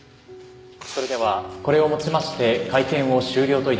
それではこれをもちまして会見を終了といたします。